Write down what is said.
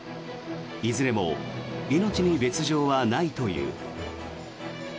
いずれも命に別条はないという。